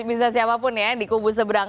bisa siapapun ya di kubu seberang